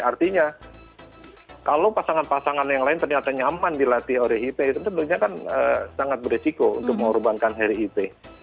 artinya kalau pasangan pasangan yang lain ternyata nyaman dilatih oleh ite itu sebenarnya kan sangat beresiko untuk mengorbankan harry ipe